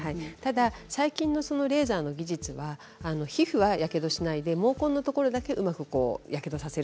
最近のレーザーの技術は皮膚はやけどしないで毛根のところだけをうまくやけどさせる。